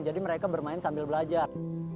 jadi mereka bermain sambil belajar